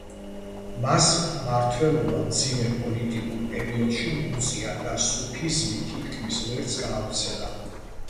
მას მმართველობა მძიმე პოლიტიკურ პერიოდში მოუწია და სუფიზმი თითქმის ვერც გაავრცელა.